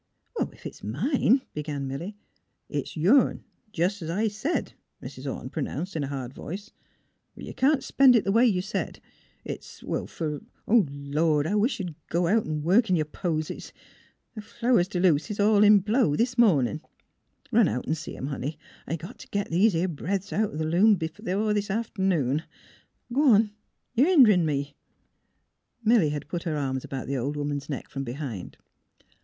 *' If it's mine " began Milly. ''It's yourn, jus' 's I said," Mrs. Orne pro nounced, in a hard voice; '' but you can't spend it the way you said. It — it's fur ... Lord! I wisht you'd go out an' work in yer posies. The flowers de luce is all in blow this mornin'. Run out an' see 'em, honey. I got t' git these 'ere breadths out th' loom b' this aft 'noon. G' on; you hender me! " Milly had put her arms about the old woman's neck from behind.